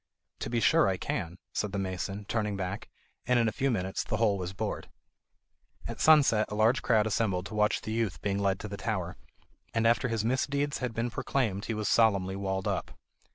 "To be sure I can," said the mason, turning back, and in a few minutes the hole was bored. At sunset a large crowd assembled to watch the youth being led to the tower, and after his misdeeds had been proclaimed he was solemnly walled up.